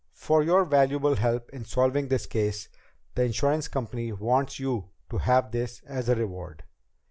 "For your invaluable help in solving this case, the insurance company wants you to have this as a reward."